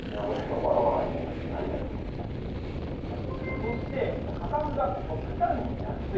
そして、価格が極端に安い。